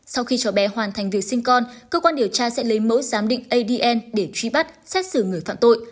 sau khi cháu bé hoàn thành việc sinh con cơ quan điều tra sẽ lấy mẫu giám định adn để truy bắt xét xử người phạm tội